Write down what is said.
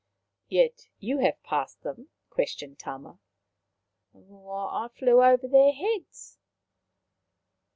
" Yet you have passed them ?" questioned Tama. " I flew above their heads."